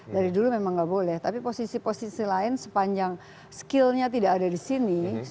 dari dulu memang nggak boleh tapi posisi posisi lain sepanjang skillnya tidak ada di sini